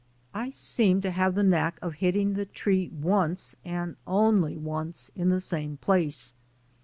I seemed to have the knack of hitting the tree once and only once in the same place.